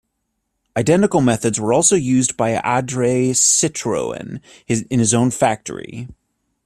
Identical methods were also used by Andre Citroen in his own factory.